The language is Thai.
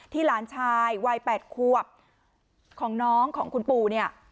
ที่หลานชายวัย๘ขวบของน้องของคุณปู่